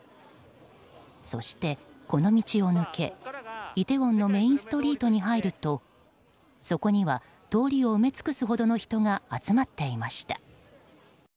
そして、この道を抜けイテウォンのメインストリートに入るとそこには通りを埋め尽くすほどの人が集まっていました。